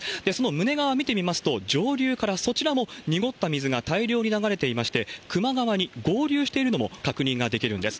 その裏側見てみますと、上流から、そちらも濁った水が大量に流れていまして、球磨川に合流しているのも確認ができるんです。